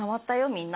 みんな。